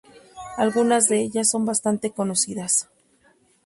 Algunas de ellas son bastantes conocidas.